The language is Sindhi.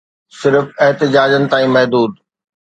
صرف احتجاجن تائين محدود